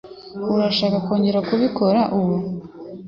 Urashaka kongera kubikora ubu?